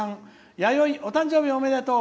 やよい、お誕生日おめでとう！